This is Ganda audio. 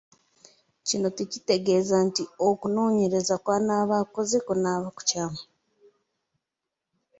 Kino tekitegeeza nti okunoonyereza kw’anaaba akoze kunaaba kukyamu.